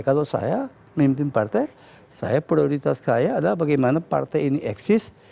kalau saya memimpin partai saya prioritas saya adalah bagaimana partai ini eksis